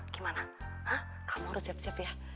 gimana kamu harus siap siap ya